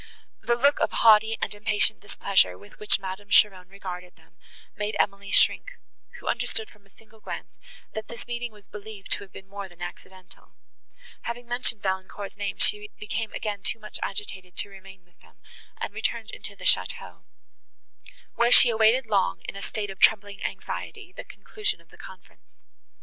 The look of haughty and impatient displeasure, with which Madame Cheron regarded them, made Emily shrink, who understood from a single glance, that this meeting was believed to have been more than accidental: having mentioned Valancourt's name, she became again too much agitated to remain with them, and returned into the château; where she awaited long, in a state of trembling anxiety, the conclusion of the conference.